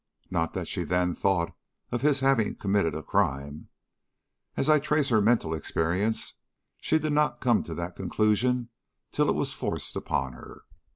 Not that she then thought of his having committed a crime. As I trace her mental experience, she did not come to that conclusion till it was forced upon her.